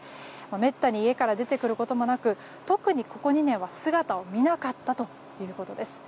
めったに家から出てくることもなく特に、ここ２年は姿を見なかったということです。